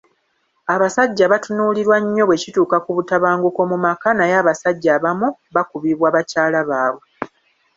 Abasajja batuinuulirwa nnyo bwe kituuka ku butabanguko mu maka naye abasajja abamu bakubibwa bakyala baabwe.